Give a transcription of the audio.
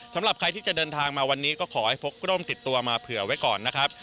สำหรับใครที่จะเดินทางมาวันนี้ก็ขอให้พกร่มติดตัวมาเผื่อไว้ก่อนนะครับ